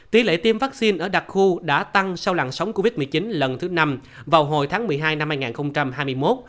tỷ lệ tiêm vaccine ở đặc khu đã tăng sau lặng sóng covid một mươi chín lần thứ năm vào hồi tháng một mươi hai năm hai nghìn hai mươi một